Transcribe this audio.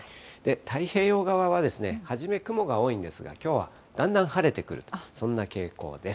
太平洋側は初め雲が多いんですが、きょうはだんだん晴れてくると、そんな傾向です。